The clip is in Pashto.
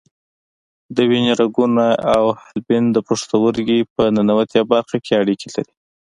د وینې رګونه او حالبین د پښتورګي په ننوتي برخه کې اړیکې لري.